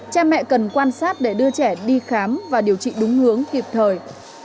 cha mẹ cần quan sát để đưa trẻ đi khám và điều trị đúng hướng kịp thời